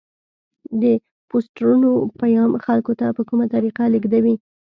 د پوسټرونو پیام خلکو ته په کومه طریقه لیږدوي؟